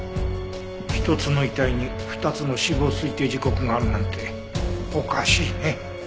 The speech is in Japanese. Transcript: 一つの遺体に２つの死亡推定時刻があるなんておかしいね。